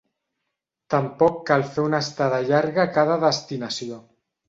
Tampoc cal fer una estada llarga a cada destinació.